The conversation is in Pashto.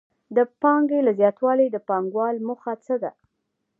د پانګې له زیاتوالي د پانګوال موخه څه ده